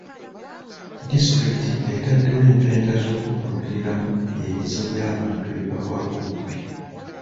Disitulikiti etaddewo empenda z'okuduukiriramu ebizibu by'abantu ebibagwako obugwi.